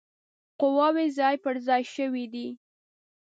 قواوي ځای پر ځای شوي دي.